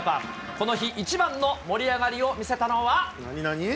この日、一番の盛り上がりを見せたのは。